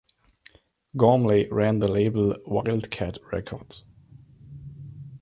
Gormley ran the label Wildcat Records.